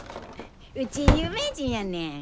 うち有名人やねん。